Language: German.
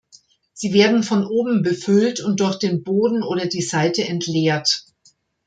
Sie werden von oben befüllt und durch den Boden oder die Seite entleert.